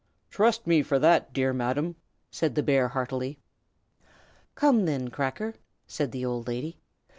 "Trust me for that, dear Madam!" said the bear, heartily. "Come, then, Cracker," said the old lady.